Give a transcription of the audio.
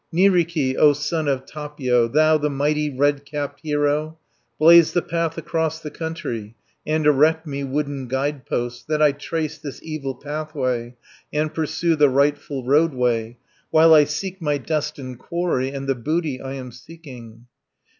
"Nyyrikki, O son of Tapio, Thou the mighty red capped hero, Blaze the path across the country, And erect me wooden guide posts, 40 That I trace this evil pathway, And pursue the rightful roadway, While I seek my destined quarry, And the booty I am seeking.